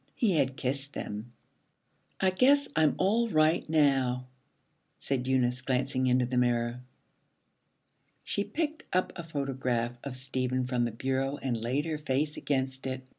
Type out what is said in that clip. He had kissed them. 'I guess I'm all right now,' said Eunice, glancing into the mirror. She picked up a photograph of Stephen from the bureau and laid her face against it.